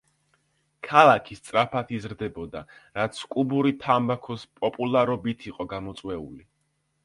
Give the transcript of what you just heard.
ქალაქი სწრაფად იზრდებოდა, რაც კუბური თამბაქოს პოპულარობით იყო გამოწვეული.